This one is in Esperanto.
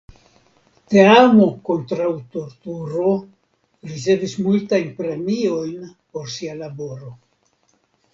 Teamo kontraŭ torturo ricevis multajn premiojn por sia laboro.